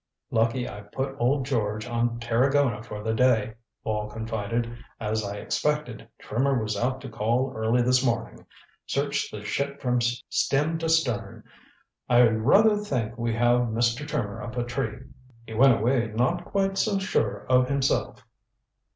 "Lucky I put old George on Tarragona for the day," Wall confided. "As I expected, Trimmer was out to call early this morning. Searched the ship from stem to stern. I rather think we have Mr. Trimmer up a tree. He went away not quite so sure of himself."